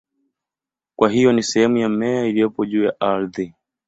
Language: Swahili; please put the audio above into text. Kwa hiyo ni sehemu ya mmea iliyopo juu ya ardhi.